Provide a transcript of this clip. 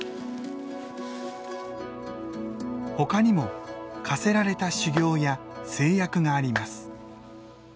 ほかにも課せられた修行や制約があります。